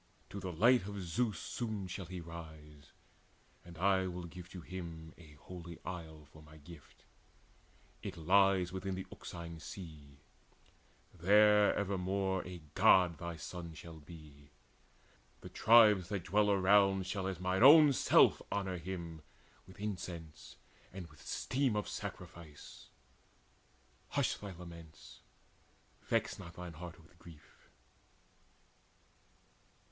To the light of Zeus Soon shall he rise; and I will give to him A holy island for my gift: it lies Within the Euxine Sea: there evermore A God thy son shall be. The tribes that dwell Around shall as mine own self honour him With incense and with steam of sacrifice. Hush thy laments, vex not thine heart with grief."